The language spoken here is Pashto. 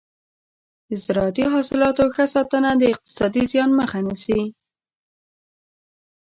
د زراعتي حاصلاتو ښه ساتنه د اقتصادي زیان مخه نیسي.